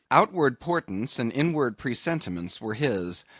Outward portents and inward presentiments were his.